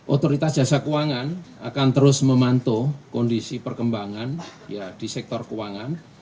otoritas jasa keuangan akan terus memantau kondisi perkembangan di sektor keuangan